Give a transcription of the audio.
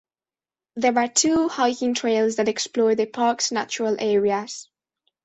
There are two hiking trails that explore the park's natural areas.